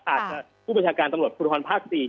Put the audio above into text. ผู้บัญชาการตำรวจภูทรภาค๔